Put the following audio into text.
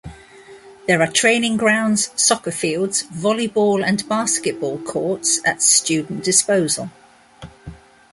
There are training grounds, soccer fields, volleyball and basketball courts at student disposal.